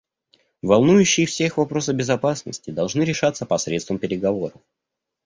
Волнующие всех вопросы безопасности должны решаться посредством переговоров.